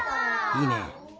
いいね。